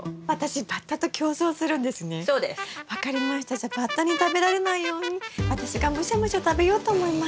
じゃあバッタに食べられないように私がむしゃむしゃ食べようと思います。